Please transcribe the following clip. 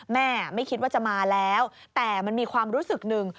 แม่ไม่คิดว่าจะมาแล้วแต่มันมีความรู้สึกหนึ่ง